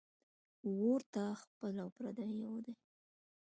اور ته خپل او پردي یو دي